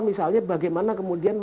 misalnya bagaimana kemudian